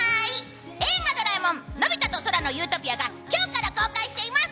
「映画ドラえもんのび太と空の理想郷」が今日から公開しています。